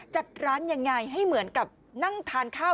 จัดร้านยังไงให้เหมือนกับนั่งทานข้าว